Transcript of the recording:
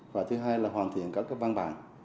và thứ hai là hoàn thiện các văn bản